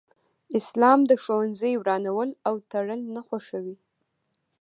اسلام د ښوونځي ورانول او تړل نه خوښوي